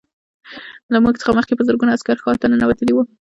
له موږ څخه مخکې په زرګونه عسکر ښار ته ننوتلي وو